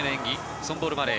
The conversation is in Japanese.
ソンボル・マレー。